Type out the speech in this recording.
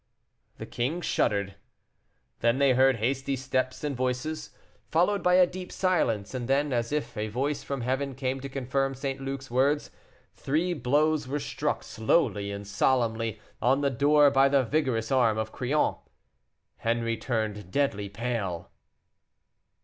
The king shuddered. Then they heard hasty steps and voices, followed by a deep silence; and then, as if a voice from heaven came to confirm St. Luc's words, three blows were struck slowly and solemnly on the door by the vigorous arm of Crillon. Henri turned deadly pale.